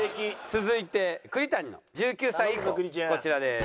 続いて栗谷の１９歳以降こちらです。